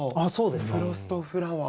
フロストフラワー。